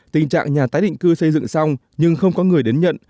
tình trạng nhà tái định cư xây dựng xong nhưng không có người đến nhận